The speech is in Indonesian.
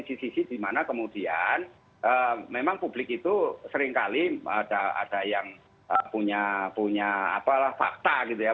jadi ini ada di sisi sisi dimana kemudian memang publik itu seringkali ada yang punya fakta gitu ya